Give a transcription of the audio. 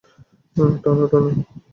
টানো, টানো।